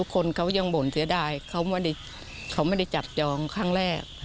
เขาไม่ได้จับยองครั้งแรก